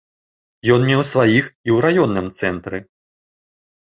Ён меў сваіх і ў раённым цэнтры.